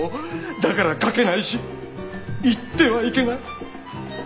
だから書けないし言ってはいけないッ！